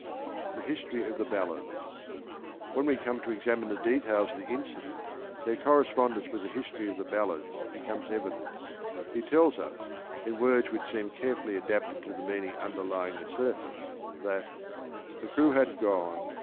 Tbe h'storyof Whcn wc comc to cxaminc the details of the incident the ballads. their correspondence with the histoiy of the ballads be comes evident. He tells us, in words which seem care fully adapted to the meaning underlying the surface that The crew had qone.